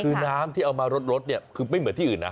คือน้ำที่เอามารดเนี่ยคือไม่เหมือนที่อื่นนะ